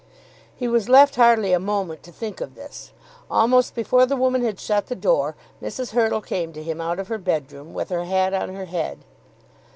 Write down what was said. He was left hardly a moment to think of this. Almost before the woman had shut the door, Mrs. Hurtle came to him out of her bedroom, with her hat on her head.